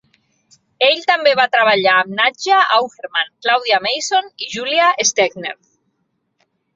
Ell també va treballar amb Nadja Auermann, Claudia Mason i Julia Stegner.